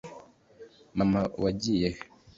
mama wagiye he?